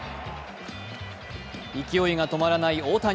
勢いが止まらない大谷。